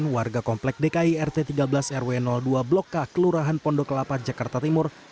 warga komplek dki rt tiga belas rw dua blok k kelurahan pondok kelapa jakarta timur